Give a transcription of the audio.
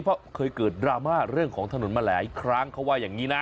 เพราะเคยเกิดดราม่าเรื่องของถนนมาหลายครั้งเขาว่าอย่างนี้นะ